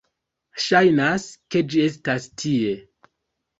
Ŝajnas, ke ĝi estas tie